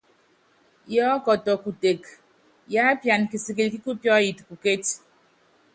Yiɔ́kɔtɔ kuteke, yiápiana kisikili kíkupíɔ́yɛt pukéci.